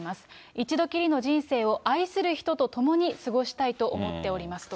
一度きりの人生を愛する人と共に過ごしたいと思っておりますと。